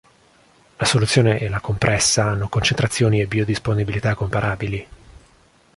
La soluzione e la compressa hanno concentrazioni e biodisponibilità comparabili.